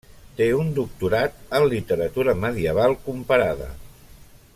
Té un doctorat en literatura medieval comparada.